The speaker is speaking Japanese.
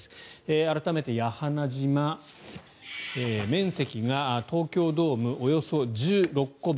改めて屋那覇島面積が東京ドーム１６個分。